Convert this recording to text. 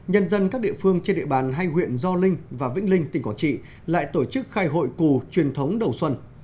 nhân dân các địa phương trên địa bàn hai huyện do linh và vĩnh linh tỉnh quảng trị lại tổ chức khai hội cù truyền thống đầu xuân